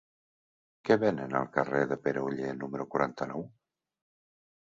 Què venen al carrer de Pere Oller número quaranta-nou?